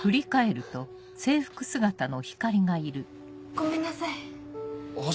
ごめんなさい